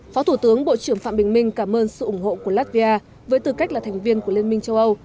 phó thủ tướng bộ trưởng phạm bình minh cảm ơn sự ủng hộ của latvia với tư cách là thành viên của liên minh châu âu